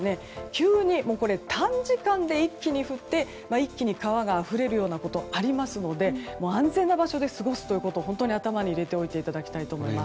急に、短時間で一気に降って一気に川があふれるようなことありますので安全な場所で過ごすことを頭に入れておいていただきたいです。